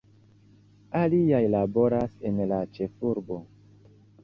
Aliaj laboras en la ĉefurbo.